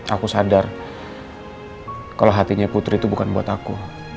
aku sadar kalau hatinya putri itu bukan buat aku